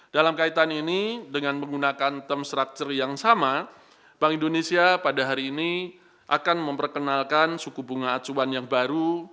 dalam kaitan ini dengan menggunakan term structure yang sama bank indonesia pada hari ini akan memperkenalkan suku bunga acuan yang baru